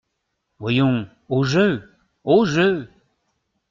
Voyons ! au jeu ! au jeu !